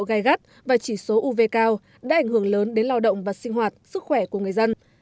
gai gắt và chỉ số uv cao đã ảnh hưởng lớn đến lao động và sinh hoạt sức khỏe của người dân